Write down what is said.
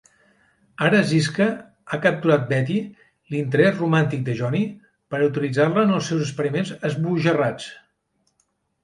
Ara Ziska ha capturat Betty, l'interès romàntic de Johnny, per utilitzar-la en els seus experiments esbojarrats.